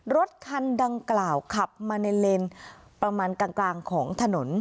รถคันดังกล่าวขับมาในเลนประมาณกลางของถนน